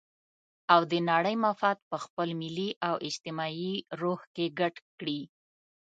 او د نړۍ مفاد په خپل ملي او اجتماعي روح کې ګډ کړي.